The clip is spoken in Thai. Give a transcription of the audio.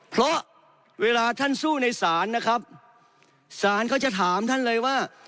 เพราะเวลาท่านสู้ในศาลนะครับศาลเขาจะถามท่านเลยว่า